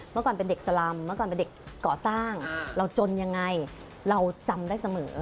เมื่อก่อนเป็นเด็กสลำเมื่อก่อนเป็นเด็กก่อสร้างเราจนยังไงเราจำได้เสมอ